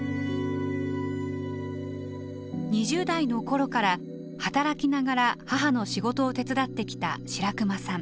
２０代の頃から働きながら母の仕事を手伝ってきた白熊さん。